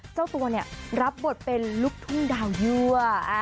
เจ้าตัวเนี่ยรับบทเป็นลูกทุ่งดาวยั่ว